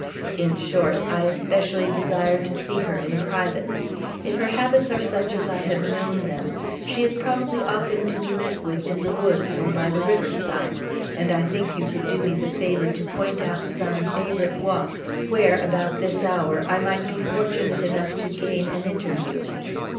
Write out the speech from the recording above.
In short, I especially desire to see her in private. If her habits are such as I have known them, she is probably often to be met with in the woods, or by the river side; and I think you could do me the favor to point out some favorite walk, where, about this hour, I might be fortunate enough to gain an interview."